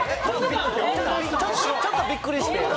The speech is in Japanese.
ちょっとびっくりしてる。